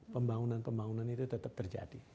pembangunan pembangunan itu tetap terjadi